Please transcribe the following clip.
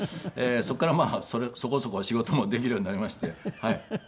そこからまあそこそこ仕事もできるようになりまして。